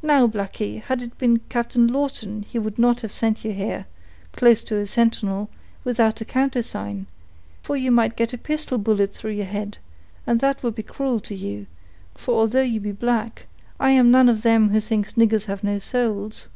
Now, blackey, had it been Captain Lawton he would not have sent you here, close to a sentinel, without the countersign; for you might get a pistol bullet through your head, and that would be cruel to you; for although you be black, I am none of them who thinks niggers have no souls."